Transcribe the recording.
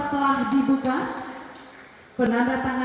jadi baik lagi